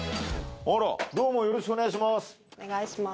あらどうもよろしくお願いします